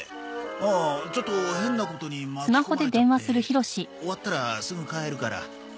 ああちょっと変なことに巻き込まれちゃって終わったらすぐ帰るから。